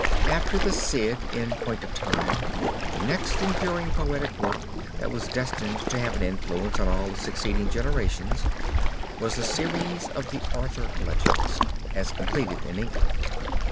After the Cid in point of time, the next enduring poetic work that was destined to have an influence on all succeeding generations, was the series of the Arthur Legends as completed in England.